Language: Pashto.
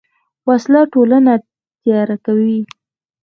وسله ټولنه تیاره کوي